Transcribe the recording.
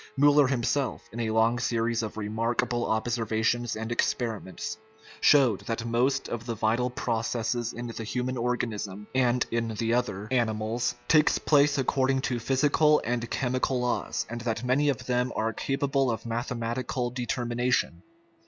Miiller himself, in a long series of remarkable observations and experiments, showed that most of the vital processes in the human organism (and in the other animals) take place ac cording to physical and chemical laws, and that many of them are capable of mathematical determination.